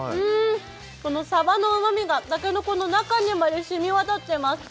このサバのうまみが竹の子の中にまで染みわたっています。